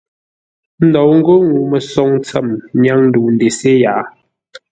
Ndou ńgó ŋuu-məsoŋ tsəm nyáŋ ndəu ndesé yaʼa.